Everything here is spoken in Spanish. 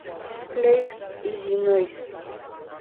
Clair, Illinois.